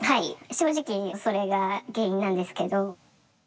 正直それが原因なんですけど。